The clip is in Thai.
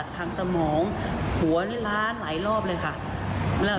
ผ่าตัดทางสมองหัวนิราณหลายรอบเลยค่ะ